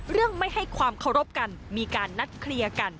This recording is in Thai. ไม่ให้ความเคารพกันมีการนัดเคลียร์กัน